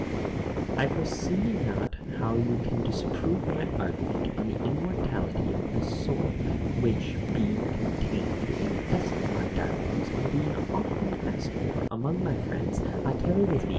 Plato. I foresee not how you can disprove my argument on the immortality of the soul, which, being contained in the best of my dialogues, and being often asked for among my friends, I carry with me.